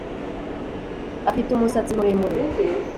Afite umusatsi muremure